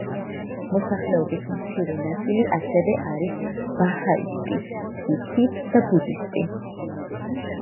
მოსახლეობის მცირე ნაწილი ასევე არის ბაჰაისტი, სიქი და ბუდისტი.